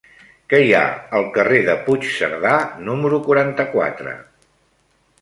Què hi ha al carrer de Puigcerdà número quaranta-quatre?